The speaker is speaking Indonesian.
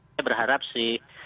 saya berharap sih